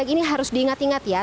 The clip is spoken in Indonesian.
ini harus diingat ingat ya